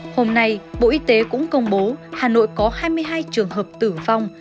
hôm nay bộ y tế cũng công bố hà nội có hai mươi hai trường hợp tử vong